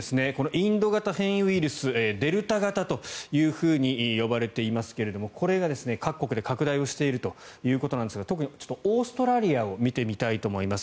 インド型変異ウイルスデルタ型というふうに呼ばれていますけれどもこれが各国で拡大しているということなんですが特にオーストラリアを見てみたいと思います。